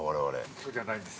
◆そうじゃないです。